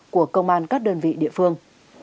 của công an các đơn vị địa phương